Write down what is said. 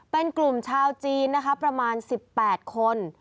เป็นกลุ่มชาวจีนนะคะประมาณ๑๘คน